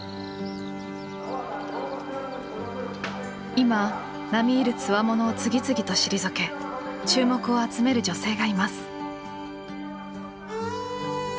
今並み居るつわものを次々と退け注目を集める女性がいます。